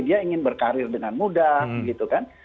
dia ingin berkarir dengan mudah gitu kan